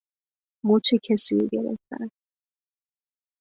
مچ کسی را گرفتن